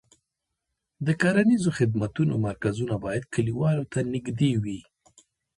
د کرنیزو خدمتونو مرکزونه باید کليوالو ته نږدې وي.